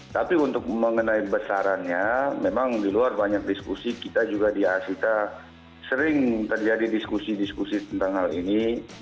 tapi untuk mengenai besarannya memang di luar banyak diskusi kita juga di asita sering terjadi diskusi diskusi tentang hal ini